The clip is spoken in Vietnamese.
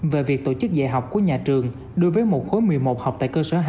về việc tổ chức dạy học của nhà trường đối với một khối một mươi một học tại cơ sở hai